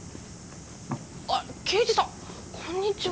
あっ刑事さんこんにちは。